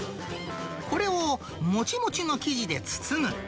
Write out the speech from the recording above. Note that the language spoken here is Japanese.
これをもちもちの生地で包む。